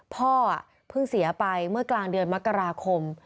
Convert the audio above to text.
พ่อเพิ่งเสียไปเมื่อกลางเดือนมกราคม